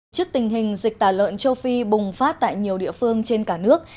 trước tình hình dịch tả lợn châu phi bùng phát tại nhiều địa phương trên cả nước